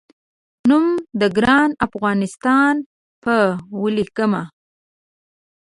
نوم د ګران افغانستان په ولیکمه